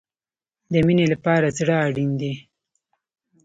د مینې لپاره زړه اړین دی